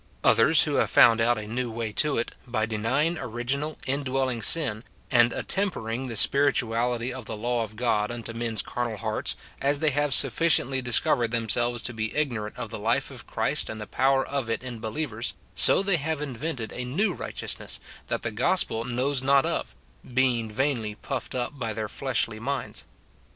Others who have found out a new way to it, by denying original, in dwelling sin, and attempering the spirituality of the law of God unto men's carnal hearts, as they have suffi ciently discovered themselves to be ignorant of the life of Christ and the power of it in believers, so they have invented a new righteousness that the gospel knows not of, being vainly puffed up by their fleshly minds.